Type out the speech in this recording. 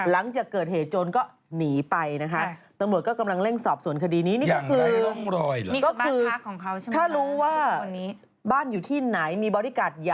ไม่ได้ไปแบบว่า